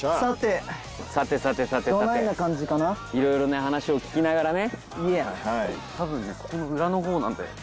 いろいろな話を聞きながらね。